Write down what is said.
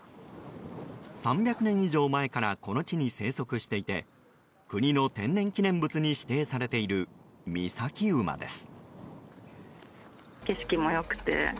３００年以上前からこの地に生息していて国の天然記念物に指定されている御崎馬です。